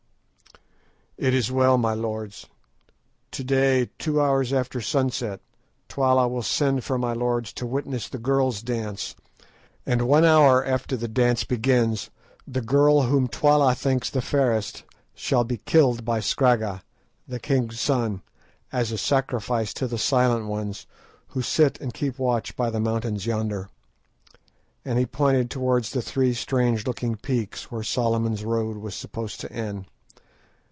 "It is well, my lords. To day, two hours after sunset, Twala will send for my lords to witness the girls dance, and one hour after the dance begins the girl whom Twala thinks the fairest shall be killed by Scragga, the king's son, as a sacrifice to the Silent Ones, who sit and keep watch by the mountains yonder," and he pointed towards the three strange looking peaks where Solomon's road was supposed to end.